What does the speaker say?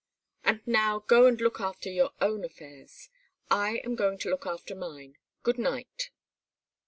And now go and look after your own affairs. I am going to look after mine. Good night!"